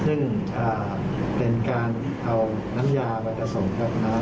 ซึ่งเป็นการเอาน้ำยาไปผสมกับน้ำ